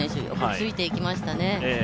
よくついていきましたね。